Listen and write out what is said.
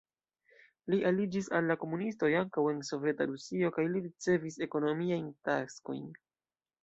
Li aliĝis al la komunistoj ankaŭ en Soveta Rusio kaj li ricevis ekonomiajn taskojn.